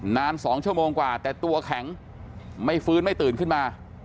นาน๒ชั่วโมงกว่าแต่ตัวแข็งไม่ฟื้นไม่ตื่นขึ้นมา